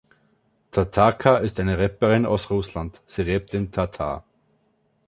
Tatarka ist eine Rapperin aus Russland, sie rappt in Tatar.